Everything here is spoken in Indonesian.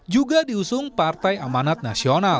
juga diusung partai amanat nasional